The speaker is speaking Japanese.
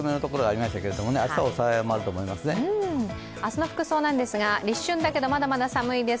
明日の服装なんですが、立春だけどまだまだ寒いです。